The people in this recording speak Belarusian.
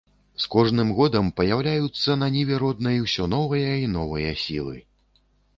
З кожным годам паяўляюцца на ніве роднай усё новыя і новыя сілы.